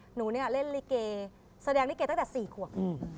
หนูเนี่ยเล่นลิเกแสดงลิเกตั้งแต่๔ขวบ